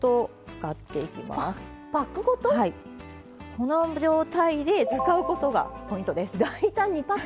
この状態で使うことがポイントです。